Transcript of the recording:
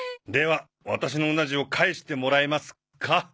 ではワタシのうな重を返してもらえますか？